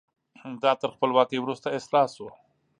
دا تر خپلواکۍ وروسته اصلاح شو.